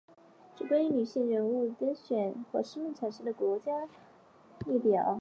这是关于女性人物担任选举或者任命产生的国家政府副首脑的列表。